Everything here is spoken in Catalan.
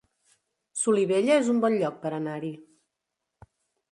Solivella es un bon lloc per anar-hi